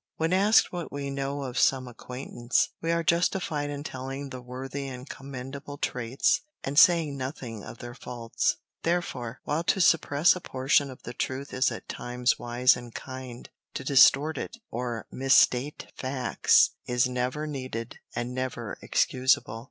When asked what we know of some acquaintance, we are justified in telling the worthy and commendable traits, and saying nothing of the faults. Therefore, while to suppress a portion of the truth is at times wise and kind, to distort it, or misstate facts, is never needed and never excusable.